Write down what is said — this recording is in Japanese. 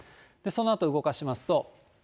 そのあと動かしますと。